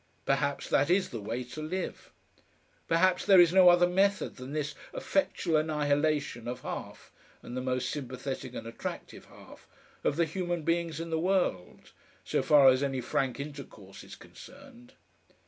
Perhaps that is the way to live. Perhaps there is no other method than this effectual annihilation of half and the most sympathetic and attractive half of the human beings in the world, so far as any frank intercourse is concerned.